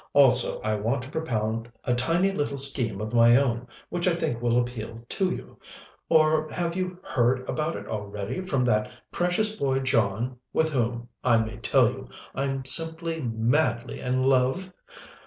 Also, I want to propound a tiny little scheme of my own which I think will appeal to you. Or have you heard about it already from that precious boy John, with whom, I may tell you, I'm simply madly in love?